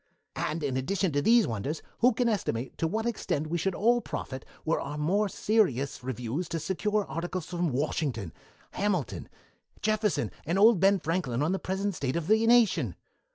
And in addition to these wonders, who can estimate to what extent we should all profit were our more serious reviews to secure articles from Washington, Hamilton, Jefferson, and old Ben Franklin on the present state of the nation!